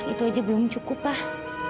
itu aja belum cukup lah